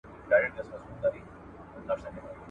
پوهه دې پیاوړې کېږي.